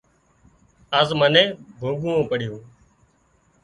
آز منين ڀوڳوون پڙيُون